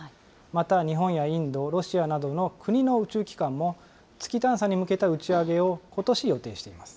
また日本やインド、ロシアなどの国の宇宙機関も、月探査に向けた打ち上げをことし予定しています。